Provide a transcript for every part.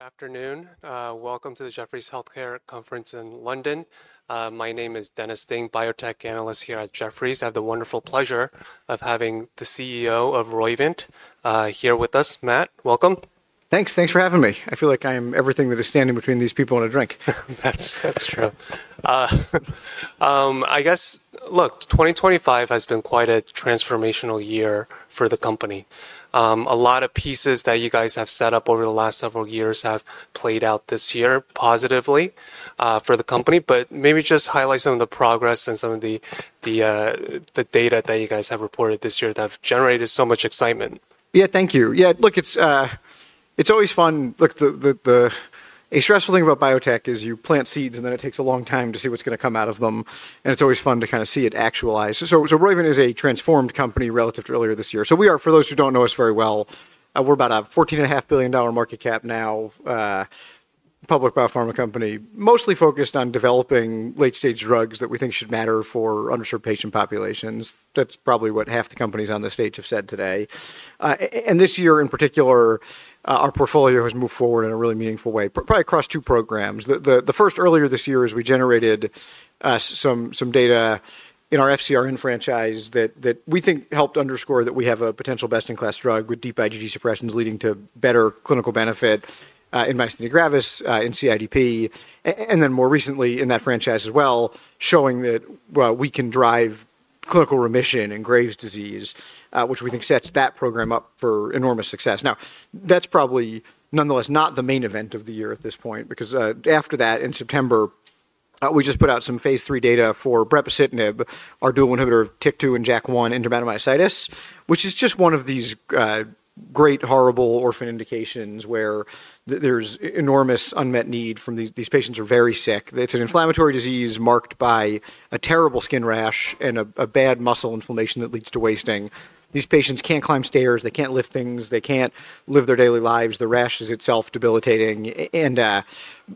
Afternoon. Welcome to the Jefferies Healthcare Conference in London. My name is Dennis Ding, Biotech Analyst here at Jefferies. I have the wonderful pleasure of having the CEO of Roivant here with us, Matt. Welcome. Thanks. Thanks for having me. I feel like I am everything that is standing between these people and a drink. That's true. I guess, look, 2025 has been quite a transformational year for the company. A lot of pieces that you guys have set up over the last several years have played out this year positively for the company. Maybe just highlight some of the progress and some of the data that you guys have reported this year that have generated so much excitement. Yeah, thank you. Yeah, look, it's always fun. Look, a stressful thing about Biotech is you plant seeds, and then it takes a long time to see what's going to come out of them. It's always fun to kind of see it actualize. Roivant is a transformed company relative to earlier this year. For those who don't know us very well, we're about a $14.5 billion market cap now, public biopharma company, mostly focused on developing late-stage drugs that we think should matter for underserved patient populations. That's probably what half the companies on the stage have said today. This year, in particular, our portfolio has moved forward in a really meaningful way, probably across two programs. The 1st earlier this year is we generated some data in our FCRN franchise that we think helped underscore that we have a potential best-in-class drug with deep IgG suppressions leading to better clinical benefit in myasthenia gravis in CIDP. Then more recently in that franchise as well, showing that we can drive clinical remission in Graves' disease, which we think sets that program up for enormous success. Now, that's probably nonetheless not the main event of the year at this point, because after that, in September, we just put out some phase III data for brepocitinib, our dual inhibitor of TYK2 and JAK1 in Dermatomyositis, which is just one of these great, horrible orphan indications where there's enormous unmet need from these patients who are very sick. It's an inflammatory disease marked by a terrible skin rash and a bad muscle inflammation that leads to wasting. These patients can't climb stairs, they can't lift things, they can't live their daily lives. The rash is itself debilitating.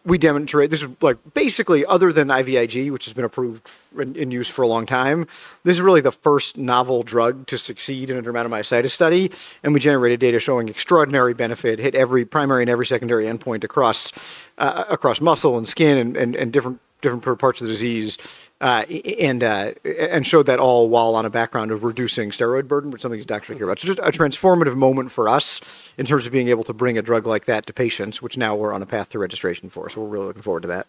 We demonstrated this is basically, other than IVIG, which has been approved and in use for a long time, this is really the first novel drug to succeed in a Dermatomyositis study. We generated data showing extraordinary benefit, hit every primary and every secondary endpoint across muscle and skin and different parts of the disease, and showed that all while on a background of reducing Steroid burden, which is something you don't actually hear about. Just a transformative moment for us in terms of being able to bring a drug like that to patients, which now we're on a path to registration for. We're really looking forward to that.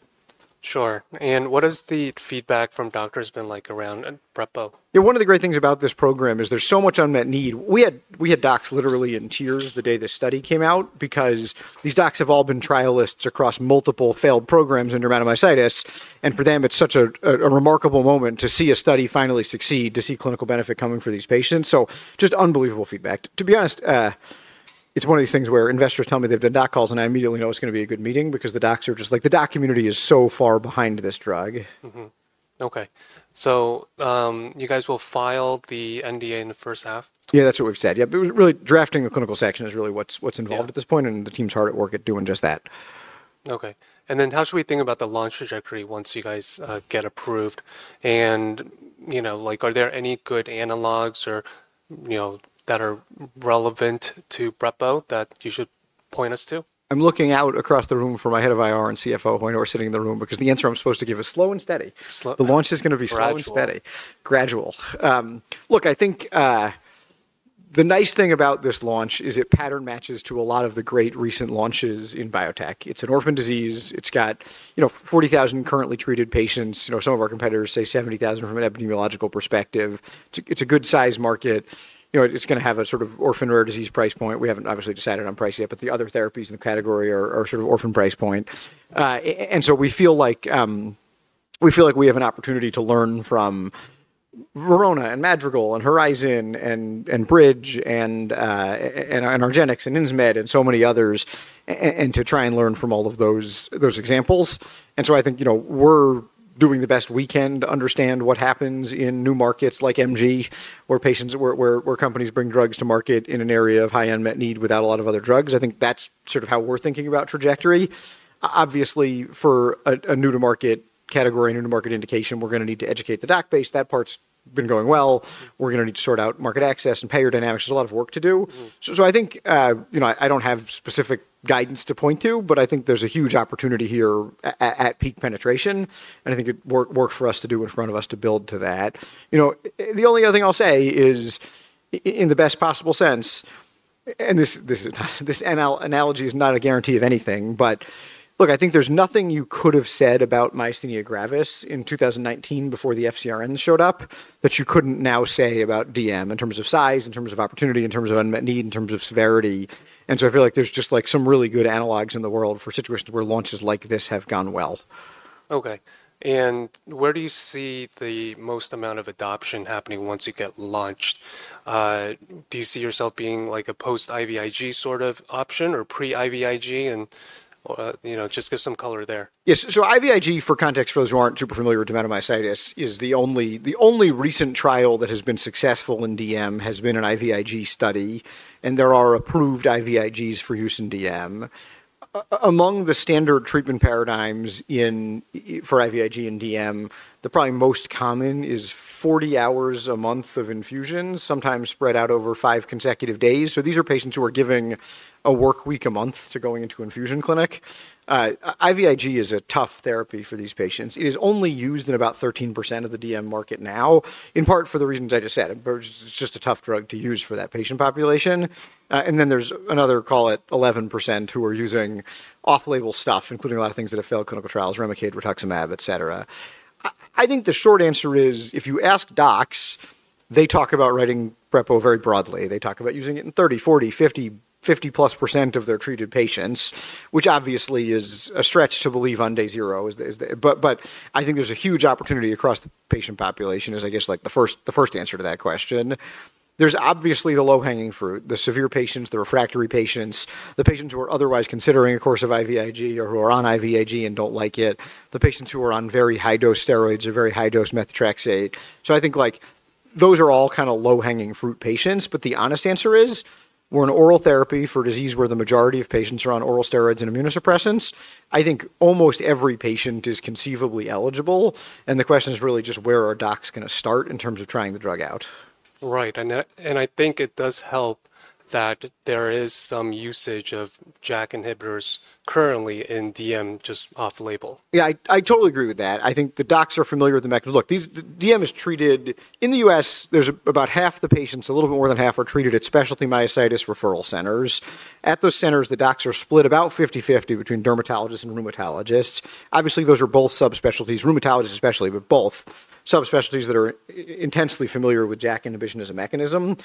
Sure. What has the feedback from Doctors been like around brepo? Yeah, one of the great things about this program is there's so much unmet need. We had Docs literally in tears the day this study came out because these Docs have all been trialists across multiple failed programs in Dermatomyositis. For them, it's such a remarkable moment to see a study finally succeed, to see clinical benefit coming for these patients. Just unbelievable feedback. To be honest, it's one of these things where investors tell me they've done Doc calls, and I immediately know it's going to be a good meeting because the Docs are just like, the Doc Community is so far behind this drug. Okay. So you guys will file the NDA in the 1st half? Yeah, that's what we've said. Yeah, really drafting the clinical section is really what's involved at this point, and the team's hard at work at doing just that. Okay. How should we think about the launch trajectory once you guys get approved? Are there any good analogs that are relevant to brepo that you should point us to? I'm looking out across the room for my Head of IR and CFO, who I know are sitting in the room, because the answer I'm supposed to give is slow and steady. The launch is going to be slow and steady, gradual. Look, I think the nice thing about this launch is it pattern matches to a lot of the great recent launches in biotech. It's an orphan disease. It's got 40,000 currently treated patients. Some of our competitors say 70,000 from an Epidemiological perspective. It's a good size market. It's going to have a sort of orphan rare disease price point. We haven't obviously decided on price yet, but the other therapies in the category are sort of orphan price point. We feel like we have an opportunity to learn from Roivant and Madrigal and Horizon and BridgeBio and Argenx and Insmed and so many others, and to try and learn from all of those examples. I think we're doing the best we can to understand what happens in new markets like MG, where companies bring drugs to market in an area of high unmet need without a lot of other drugs. I think that's sort of how we're thinking about trajectory. Obviously, for a new-to-market category, new-to-market indication, we're going to need to educate the Doc base. That part's been going well. We're going to need to sort out market access and payer dynamics. There's a lot of work to do. I think I don't have specific guidance to point to, but I think there's a huge opportunity here at peak penetration. I think it'd work for us to do in front of us to build to that. The only other thing I'll say is in the best possible sense, and this analogy is not a guarantee of anything, but look, I think there's nothing you could have said about myasthenia gravis in 2019 before the FCRN showed up that you couldn't now say about DM in terms of size, in terms of opportunity, in terms of unmet need, in terms of severity. I feel like there's just some really good analogs in the world for situations where launches like this have gone well. Okay. Where do you see the most amount of adoption happening once you get launched? Do you see yourself being like a Post-IVIG sort of option or Pre-IVIG? Just give some color there. Yeah. IVIG, for context for those who aren't super familiar with Dermatomyositis, is the only recent trial that has been successful in DM has been an IVIG study. There are approved IVIGs for use in DM. Among the standard treatment paradigms for IVIG and DM, the probably most common is 40 hours a month of infusions, sometimes spread out over five consecutive days. These are patients who are giving a work week a month to going into Infusion Clinic. IVIG is a tough therapy for these patients. It is only used in about 13% of the DM market now, in part for the reasons I just said. It's just a tough drug to use for that patient population. There is another, call it 11%, who are using off-label stuff, including a lot of things that have failed clinical trials, Remicade, rituximab, et cetera. I think the short answer is, if you ask Docs, they talk about writing brepo very broadly. They talk about using it in 30%, 40%, 50%, 50%+ of their treated patients, which obviously is a stretch to believe on day zero. I think there's a huge opportunity across the patient population is, I guess, the 1st answer to that question. There's obviously the low-hanging fruit, the severe patients, the refractory patients, the patients who are otherwise considering a course of IVIG or who are on IVIG and don't like it, the patients who are on very high-dose steroids or very high-dose Methotrexate. I think those are all kind of low-hanging fruit patients. The honest answer is, we're an oral therapy for disease where the majority of patients are on oral steroids and immunosuppressants. I think almost every patient is conceivably eligible. The question is really just where are Docs going to start in terms of trying the drug out. Right. I think it does help that there is some usage of JAK inhibitors currently in DM just off-label. Yeah, I totally agree with that. I think the Docs are familiar with the mechanism. Look, DM is treated in the U.S., there's about half the patients, a little bit more than half are treated at specialty myositis referral centers. At those centers, the Docs are split about 50/50 between Dermatologists and Rheumatologists. Obviously, those are both Subspecialties, Rheumatologists especially, but both Subspecialties that are intensely familiar with JAK inhibition as a mechanism.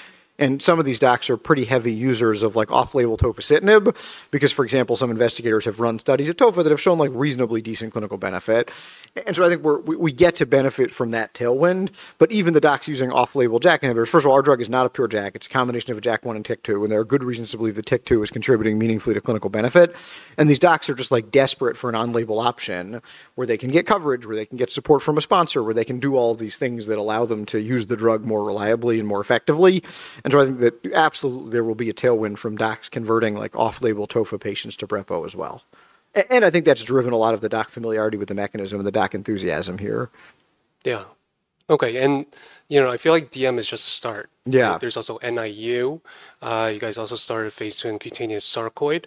Some of these Docs are pretty heavy users of off-label tocilizumab because, for example, some investigators have run studies at TOFO that have shown reasonably decent clinical benefit. I think we get to benefit from that tailwind. Even the Docs using off-label JAK inhibitors, first of all, our drug is not a pure JAK. It's a combination of a JAK1 and TYK2, and there are good reasons to believe that TYK2 is contributing meaningfully to clinical benefit. These Docs are just desperate for an on-label option where they can get coverage, where they can get support from a sponsor, where they can do all of these things that allow them to use the drug more reliably and more effectively. I think that absolutely there will be a tailwind from Docs converting off-label TOFA patients to brepocitinib as well. I think that's driven a lot of the Doc familiarity with the mechanism and the Doc enthusiasm here. Yeah. Okay. I feel like DM is just a start. There's also NIU. You guys also started phase II in cutaneous sarcoid.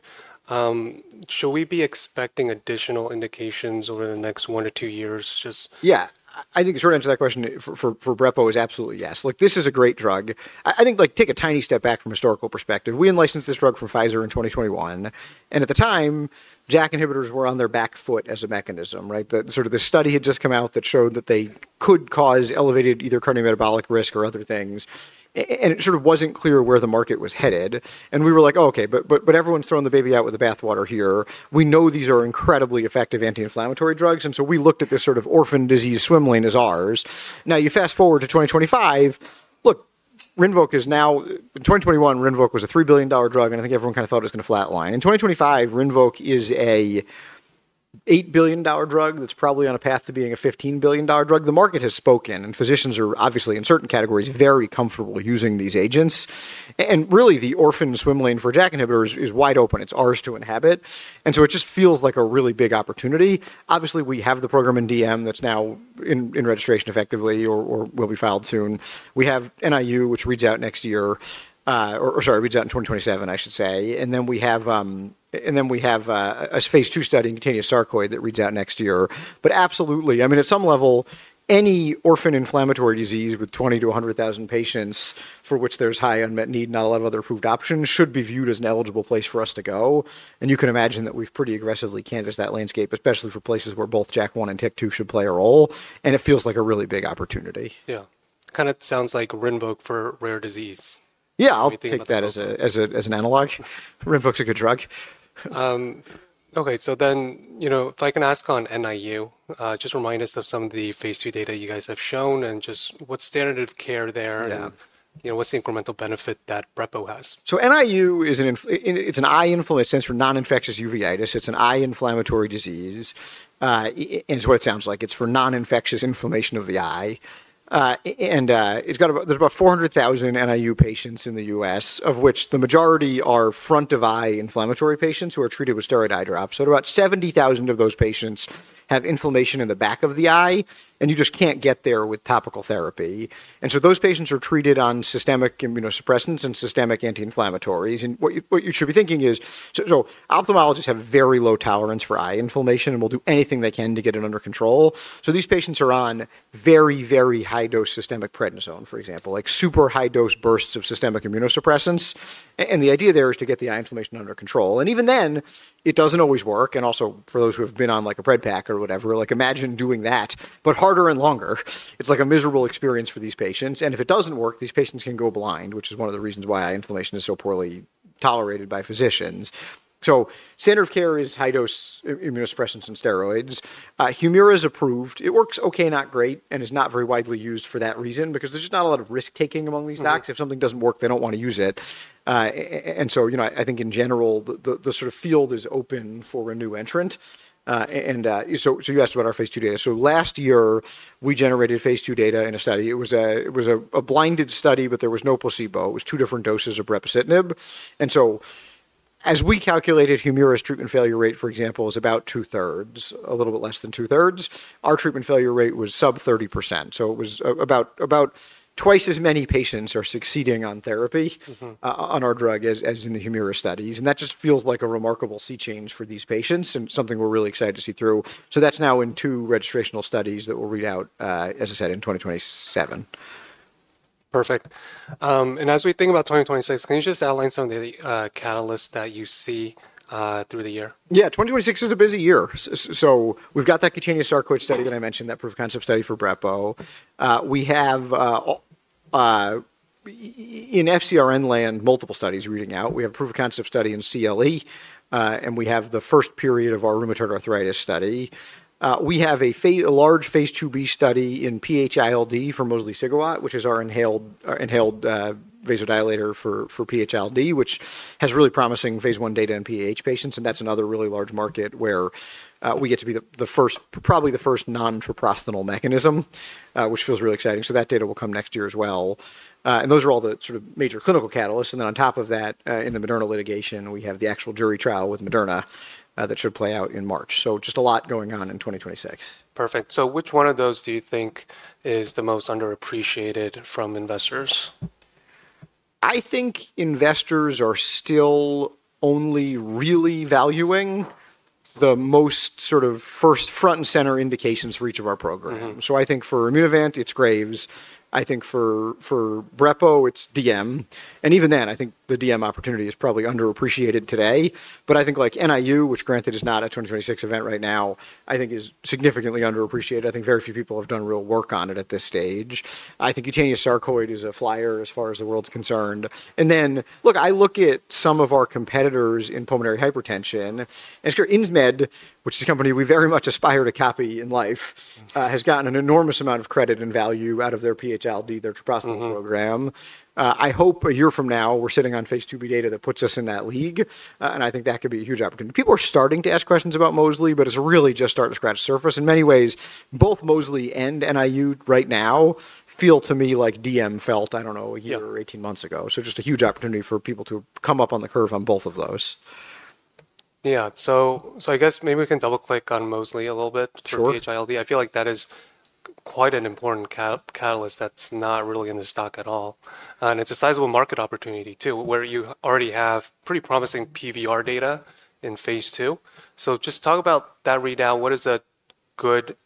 Should we be expecting additional indications over the next one or two years? Yeah. I think the short answer to that question for brepocitinib is absolutely yes. Look, this is a great drug. I think take a tiny step back from a historical perspective. We unlicensed this drug from Pfizer in 2021. At the time, JAK inhibitors were on their back foot as a mechanism, right? The study had just come out that showed that they could cause elevated either Cardiometabolic risk or other things. It sort of was not clear where the market was headed. We were like, "Oh, okay, but everyone's throwing the baby out with the bathwater here. We know these are incredibly effective anti-inflammatory drugs." We looked at this sort of orphan disease swimlane as ours. Now, you fast forward to 2025, look, in 2021, Rinvoq was a $3 billion drug, and I think everyone kind of thought it was going to flatline. In 2025, Rinvoq is an $8 billion drug that's probably on a path to being a $15 billion drug. The market has spoken, and physicians are obviously, in certain categories, very comfortable using these agents. Really, the orphan swimlane for JAK inhibitors is wide open. It's ours to inhabit. It just feels like a really big opportunity. Obviously, we have the program in DM that's now in registration effectively or will be filed soon. We have NIU, which reads out next year, or sorry, reads out in 2027, I should say. We have a phase II study in cutaneous sarcoid that reads out next year. Absolutely, I mean, at some level, any orphan inflammatory disease with 20,000-100,000 patients for which there's high unmet need, not a lot of other approved options, should be viewed as an eligible place for us to go. You can imagine that we've pretty aggressively canvassed that landscape, especially for places where both JAK1 and TYK2 should play a role. It feels like a really big opportunity. Yeah. Kind of sounds like Rinvoq for rare disease. Yeah, I'll take that as an analog. Rinvoq's a good drug. Okay. If I can ask on NIU, just remind us of some of the phase II data you guys have shown and just what standard of care there is and what's the incremental benefit that brepo has. NIU, it's an eye inflammatory center for non-infectious uveitis. It's an eye inflammatory disease. It's what it sounds like. It's for non-infectious inflammation of the eye. There's about 400,000 NIU patients in the U.S., of which the majority are front of eye inflammatory patients who are treated with steroid eye drops. About 70,000 of those patients have inflammation in the back of the eye, and you just can't get there with topical therapy. Those patients are treated on Systemic Immunosuppressants and Systemic Anti-inflammatories. What you should be thinking is, Ophthalmologists have very low tolerance for eye inflammation and will do anything they can to get it under control. These patients are on very, very high-dose systemic prednisone, for example, like super high-dose bursts of Systemic Immunosuppressants. The idea there is to get the eye inflammation under control. Even then, it doesn't always work. Also, for those who have been on a Pred Pack or whatever, imagine doing that, but harder and longer. It's like a miserable experience for these patients. If it doesn't work, these patients can go blind, which is one of the reasons why eye inflammation is so poorly tolerated by Physicians. Standard of care is high-dose immunosuppressants and steroids. HUMIRA is approved. It works okay, not great, and is not very widely used for that reason because there's just not a lot of risk-taking among these Docs. If something doesn't work, they don't want to use it. I think in general, the sort of field is open for a new entrant. You asked about our phase II data. Last year, we generated phase II data in a study. It was a blinded study, but there was no placebo. It was two different doses of brepocitinib. As we calculated, HUMIRA's treatment failure rate, for example, is about two-thirds, a little bit less than two-thirds. Our treatment failure rate was sub-30%. It was about twice as many patients are succeeding on therapy on our drug as in the HUMIRA studies. That just feels like a remarkable sea change for these patients and something we're really excited to see through. That is now in two registrational studies that will read out, as I said, in 2027. Perfect. As we think about 2026, can you just outline some of the catalysts that you see through the year? Yeah, 2026 is a busy year. We have that cutaneous sarcoid study that I mentioned, that proof of concept study for brepocitinib. We have, in FCRN land, multiple studies reading out. We have a proof of concept study in CLE, and we have the 1st period of our rheumatoid arthritis study. We have a large phase II-B study in PH-ILD for mosliciguat, which is our inhaled vasodilator for PH-ILD, which has really promising phase I data in PH patients. That is another really large market where we get to be probably the 1st Non-treprostinil mechanism, which feels really exciting. That data will come next year as well. Those are all the sort of major clinical catalysts. On top of that, in the Moderna litigation, we have the actual jury trial with Moderna that should play out in March. Just a lot going on in 2026. Perfect. Which one of those do you think is the most underappreciated from investors? I think investors are still only really valuing the most sort of front and center indications for each of our programs. I think for Immunovant, it's Graves. I think for brepo, it's DM. Even then, I think the DM opportunity is probably underappreciated today. I think NIU, which granted is not a 2026 event right now, is significantly underappreciated. I think very few people have done real work on it at this stage. I think cutaneous sarcoid is a flyer as far as the world's concerned. I look at some of our competitors in Pulmonary Hypertension. I'm sure Insmed, which is a company we very much aspire to copy in life, has gotten an enormous amount of credit and value out of their PH-ILD, their Treprostinil Program. I hope a year from now we're sitting on phase II-B data that puts us in that league. I think that could be a huge opportunity. People are starting to ask questions about mosliciguat, but it's really just starting to scratch the surface. In many ways, both mosliciguat and NIU right now feel to me like DM felt, I don't know, a year or 18 months ago. Just a huge opportunity for people to come up on the curve on both of those. Yeah. I guess maybe we can double-click on mosliciguat a little bit for PH-ILD. I feel like that is quite an important catalyst that is not really in the stock at all. It is a sizable market opportunity too, where you already have pretty promising PVR data in phase II. Just talk about that readout. What does good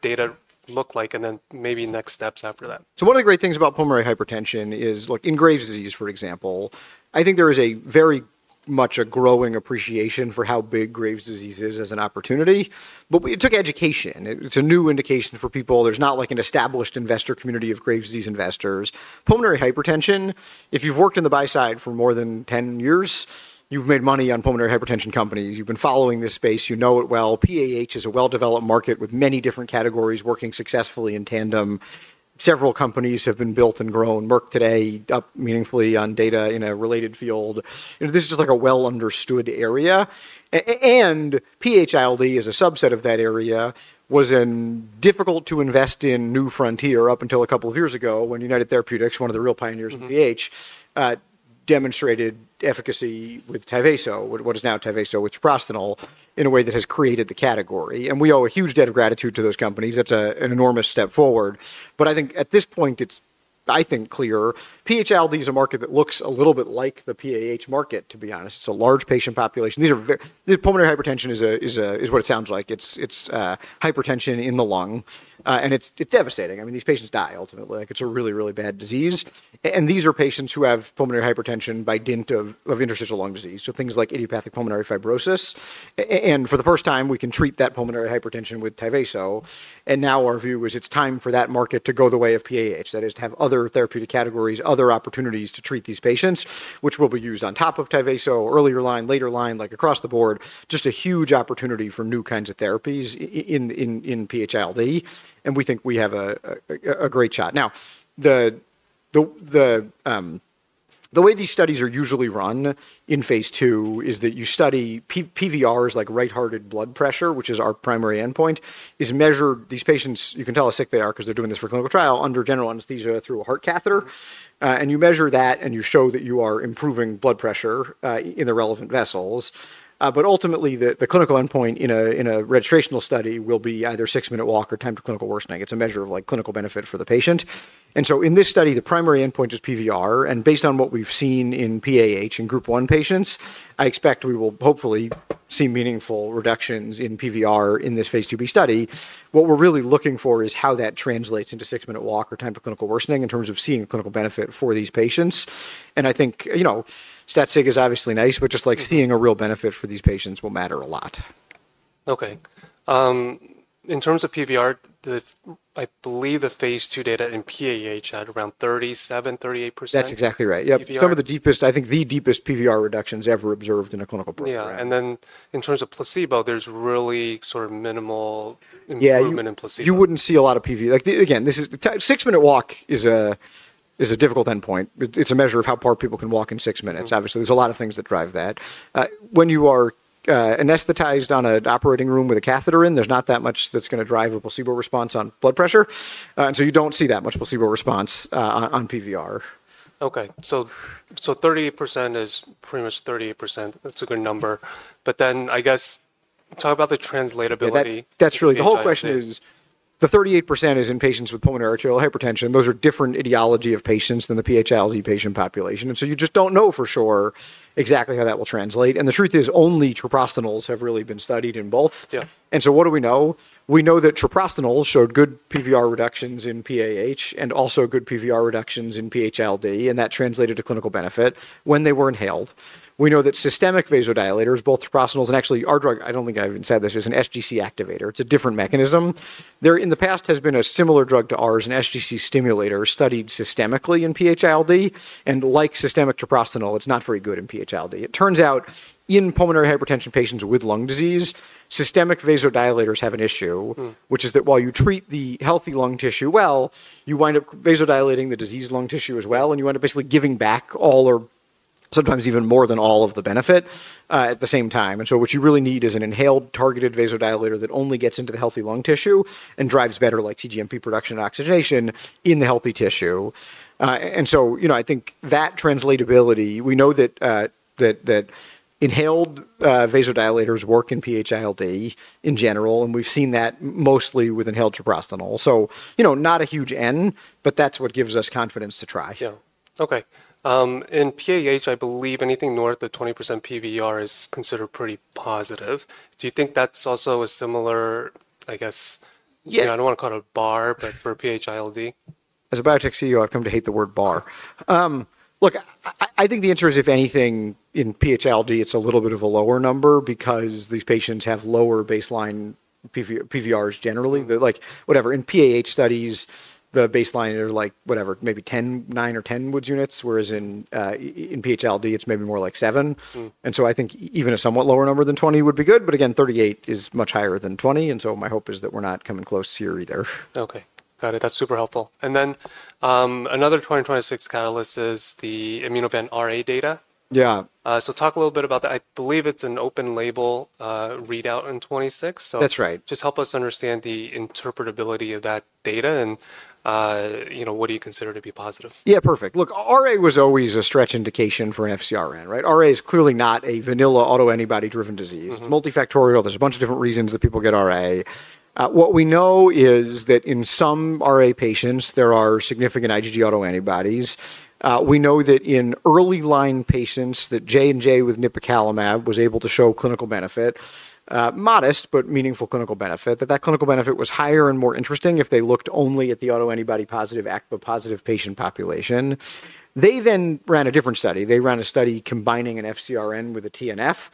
data look like? Maybe next steps after that. One of the great things about Pulmonary Hypertension is, look, in Graves' disease, for example, I think there is very much a growing appreciation for how big Graves' disease is as an opportunity. It took education. It is a new indication for people. There is not like an established investor community of Graves' disease investors. Pulmonary Hypertension, if you have worked in the buy-side for more than 10 years, you have made money on Pulmonary Hypertension companies. You have been following this space. You know it well. PAH is a well-developed market with many different categories working successfully in tandem. Several companies have been built and grown. Merck today up meaningfully on data in a related field. This is just like a well-understood area. PH-ILD is a subset of that area. Was difficult to invest in new frontier up until a couple of years ago when United Therapeutics, one of the real pioneers in PH, demonstrated efficacy with TYVASO, what is now TYVASO with treprostinil, in a way that has created the category. We owe a huge debt of gratitude to those companies. That's an enormous step forward. I think at this point, it's, I think, clear. PH-ILD is a market that looks a little bit like the PAH market, to be honest. It's a large patient population. Pulmonary Hypertension is what it sounds like. It's hypertension in the lung. It's devastating. I mean, these patients die ultimately. It's a really, really bad disease. These are patients who have Pulmonary Hypertension by dint of Interstitial Lung Disease. Things like Idiopathic Pulmonary Fibrosis. For the 1st time, we can treat that Pulmonary Hypertension with TYVASO. Our view is it's time for that market to go the way of PAH, that is, to have other therapeutic categories, other opportunities to treat these patients, which will be used on top of TYVASO, earlier line, later line, like across the board. Just a huge opportunity for new kinds of therapies in PH-ILD. We think we have a great shot. Now, the way these studies are usually run in phase II is that you study PVRs, like right-hearted blood pressure, which is our primary endpoint, is measured. These patients, you can tell how sick they are because they're doing this for clinical trial under General Anesthesia through a Heart Catheter. You measure that and you show that you are improving blood pressure in the relevant vessels. Ultimately, the clinical endpoint in a registrational study will be either six-minute walk or time to clinical worsening. is a measure of clinical benefit for the patient. In this study, the primary endpoint is PVR. Based on what we have seen in PAH in group one patients, I expect we will hopefully see meaningful reductions in PVR in this phase II-B study. What we are really looking for is how that translates into six-minute walk or time to clinical worsening in terms of seeing clinical benefit for these patients. I think statistic is obviously nice, but just seeing a real benefit for these patients will matter a lot. Okay. In terms of PVR, I believe the phase II data in PAH had around 37-38%. That's exactly right. Yep. Some of the deepest, I think the deepest PVR reductions ever observed in a clinical program. Yeah. In terms of placebo, there's really sort of minimal improvement in placebo. Yeah. You would not see a lot of PVR. Again, this is six-minute walk is a difficult endpoint. It is a measure of how far people can walk in six minutes. Obviously, there are a lot of things that drive that. When you are anesthetized on an Operating Room with a Catheter in, there is not that much that is going to drive a placebo response on blood pressure. You do not see that much placebo response on PVR. Okay. 38% is pretty much 38%. That's a good number. I guess talk about the translatability. That's really the question. The whole question is the 38% is in patients with Pulmonary Arterial Hypertension. Those are different Etiology of patients than the PH-ILD patient population. You just do not know for sure exactly how that will translate. The truth is only treprostinils have really been studied in both. What do we know? We know that treprostinils showed good PVR reductions in PAH and also good PVR reductions in PH-ILD, and that translated to clinical benefit when they were inhaled. We know that Systemic Vasodilators, both treprostinils and actually our drug, I do not think I even said this, is an SGC activator. It is a different mechanism. There in the past has been a similar drug to ours, an SGC stimulator studied systemically in PH-ILD. Like systemic treprostinil, it is not very good in PH-ILD. It turns out in Pulmonary Hypertension patients with lung disease, Systemic Vasodilators have an issue, which is that while you treat the healthy lung tissue well, you wind up vasodilating the diseased lung tissue as well. You end up basically giving back all or sometimes even more than all of the benefit at the same time. What you really need is an inhaled targeted vasodilator that only gets into the healthy lung tissue and drives better like TGMP production and oxygenation in the healthy tissue. I think that translatability, we know that Inhaled Vasodilators work in PH-ILD in general, and we've seen that mostly with inhaled treprostinil. Not a huge N, but that's what gives us confidence to try. Yeah. Okay. In PAH, I believe anything north of 20% PVR is considered pretty positive. Do you think that's also a similar, I guess, I don't want to call it a bar, but for PH-ILD? As a Biotech CEO, I've come to hate the word bar. Look, I think the answer is if anything in PH-ILD, it's a little bit of a lower number because these patients have lower baseline PVRs generally. Whatever. In PAH studies, the baseline are like whatever, maybe nine or 10 Woods units, whereas in PH-ILD, it's maybe more like 7. I think even a somewhat lower number than 20 would be good. Again, 38 is much higher than 20. My hope is that we're not coming close here either. Okay. Got it. That's super helpful. Another 2026 catalyst is the Immunovant RA data. Yeah. Talk a little bit about that. I believe it's an open label readout in 2026. That's right. Just help us understand the interpretability of that data and what do you consider to be positive. Yeah, perfect. Look, RA was always a stretch indication for an FCRN, right? RA is clearly not a Vanilla Autoantibody-driven disease. It's multifactorial. There's a bunch of different reasons that people get RA. What we know is that in some RA patients, there are significant IgG Autoantibodies. We know that in early line patients that J&J with nipocalimab was able to show clinical benefit, modest, but meaningful clinical benefit, that that clinical benefit was higher and more interesting if they looked only at the Autoantibody-positive, ACPA-positive patient population. They then ran a different study. They ran a study combining an FCRN with a TNF,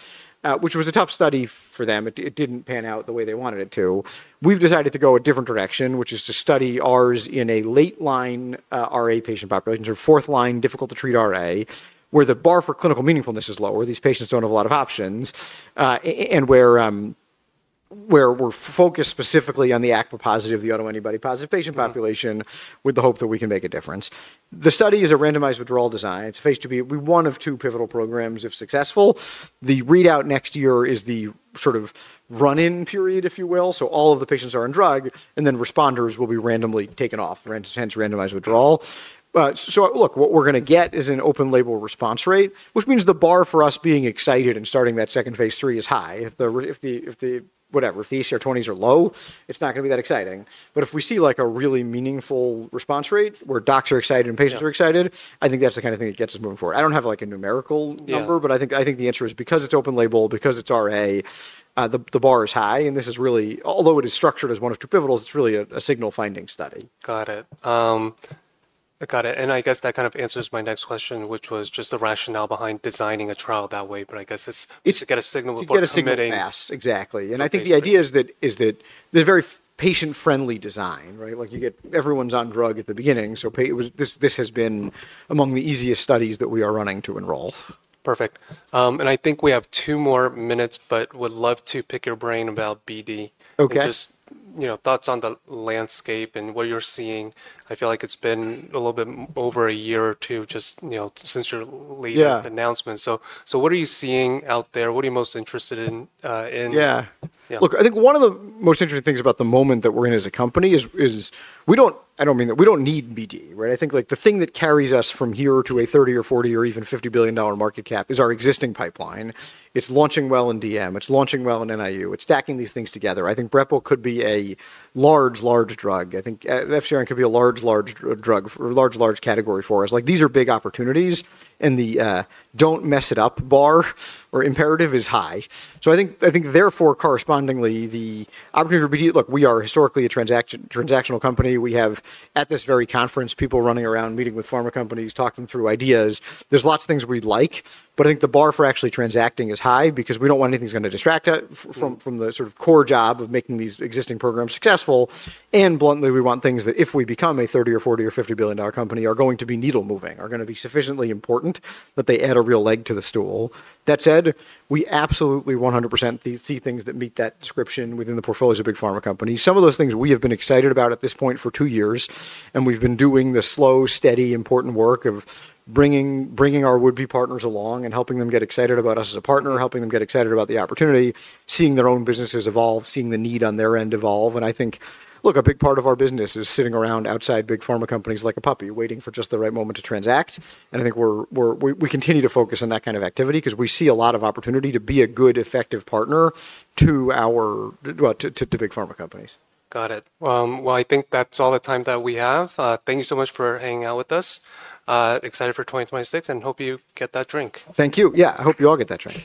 which was a tough study for them. It didn't pan out the way they wanted it to. We've decided to go a different direction, which is to study ours in a late line RA patient population, sort of 4th line, difficult to treat RA, where the bar for clinical meaningfulness is lower. These patients don't have a lot of options. Where we're focused specifically on the ACPA-positive, the Autoantibody-positive patient population with the hope that we can make a difference. The study is a randomized withdrawal design. It's a phase II-B. We, one of two pivotal programs if successful. The readout next year is the sort of run-in period, if you will. All of the patients are on drug, and then responders will be randomly taken off, hence randomized withdrawal. Look, what we're going to get is an open label response rate, which means the bar for us being excited and starting that 2nd phase III is high. If the, whatever, if the ACR20s are low, it's not going to be that exciting. If we see like a really meaningful response rate where Docs are excited and patients are excited, I think that's the kind of thing that gets us moving forward. I don't have like a numerical number, but I think the answer is because it's open label, because it's RA, the bar is high. This is really, although it is structured as one of two pivotals, it's really a signal-finding study. Got it. Got it. I guess that kind of answers my next question, which was just the rationale behind designing a trial that way. I guess it's to get a signal before it's submitting. It's to get a signal fast, exactly. I think the idea is that there's very patient-friendly design, right? Like you get everyone's on drug at the beginning. This has been among the easiest studies that we are running to enroll. Perfect. I think we have two more minutes, but would love to pick your brain about BD. Just thoughts on the landscape and what you're seeing. I feel like it's been a little bit over a year or two just since your latest announcement. What are you seeing out there? What are you most interested in? Yeah. Look, I think one of the most interesting things about the moment that we're in as a company is we don't, I don't mean that we don't need BD, right? I think like the thing that carries us from here to a $30 billion or $40 billion or even $50 billion market cap is our existing pipeline. It's launching well in DM. It's launching well in NIU. It's stacking these things together. I think brepo could be a large, large drug. I think FCRN could be a large, large drug, large, large category for us. Like these are big opportunities. The don't mess it up bar or imperative is high. I think therefore correspondingly the opportunity to be, look, we are historically a Transactional company. We have at this very conference people running around meeting with pharma companies, talking through ideas. There's lots of things we'd like, but I think the bar for actually transacting is high because we don't want anything that's going to distract us from the sort of core job of making these existing programs successful. Bluntly, we want things that if we become a $30 billion or $40 billion or $50 billion company are going to be needle-moving, are going to be sufficiently important that they add a real leg to the stool. That said, we absolutely 100% see things that meet that description within the portfolios of Big Pharma companies. Some of those things we have been excited about at this point for two years. We have been doing the slow, steady, important work of bringing our would-be partners along and helping them get excited about us as a partner, helping them get excited about the opportunity, seeing their own businesses evolve, seeing the need on their end evolve. I think, look, a big part of our business is sitting around outside Big Pharma companies like a puppy waiting for just the right moment to transact. I think we continue to focus on that kind of activity because we see a lot of opportunity to be a good, effective partner to big pharma companies. Got it. I think that's all the time that we have. Thank you so much for hanging out with us. Excited for 2026 and hope you get that drink. Thank you. Yeah, I hope you all get that drink.